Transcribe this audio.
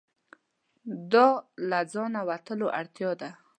دا له ځانه وتلو اړتیا ده.